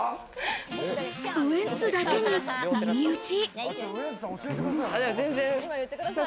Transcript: ウエンツだけに耳打ち。